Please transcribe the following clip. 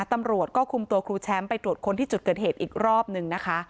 ตำรวจก็คุมตัวครูแชมป์ไปตรวจค้นที่จุดเกิดเหตุอีกรอบนึงนะคะ